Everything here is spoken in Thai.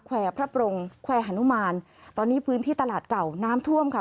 แวร์พระปรงแควร์ฮานุมานตอนนี้พื้นที่ตลาดเก่าน้ำท่วมค่ะ